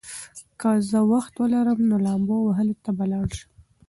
که زه وخت ولرم، نو لامبو وهلو ته به لاړ شم.